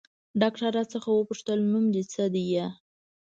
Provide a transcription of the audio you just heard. ډاکتر راڅخه وپوښتل نوم دې څه ديه.